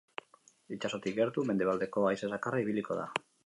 Itsasotik gertu, mendebaldeko haize zakarra ibiliko da.